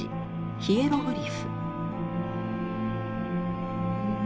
ヒエログリフ。